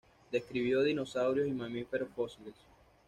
Describió dinosaurios y mamíferos fósiles.